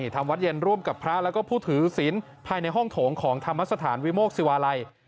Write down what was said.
ทำวัดเย็นร่วมกับพระแล้วก็ผู้ถือศิลป์ภายในห้องโถงของธรรมสถานวิโมกศิวาลัย